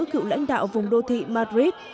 cựu lãnh đạo vùng đô thị madrid